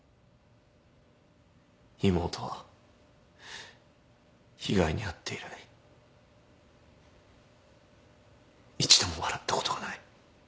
妹は被害に遭って以来一度も笑ったことがない。